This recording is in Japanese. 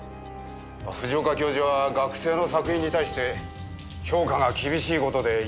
藤岡教授は学生の作品に対して評価が厳しい事で有名でしたので。